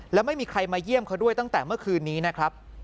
แล้วไม่มีใครมาเยี่ยมเขาด้วยตั้งแต่เมื่อคืนนี้นะครับ